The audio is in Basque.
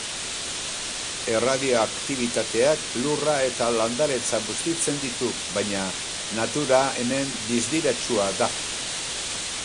Erradioaktibitateak lurra eta landaretza bustitzen ditu, baina natura hemen distiratsua da.